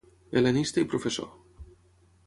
Hel·lenista i professor.